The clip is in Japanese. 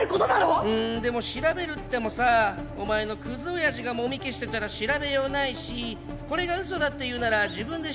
うんでも調べてるってもさお前のクズ親父がもみ消してたら調べようないしこれが嘘だっていうなら自分で証明してみせてよ。